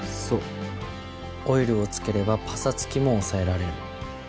そうオイルをつければパサつきも抑えられる。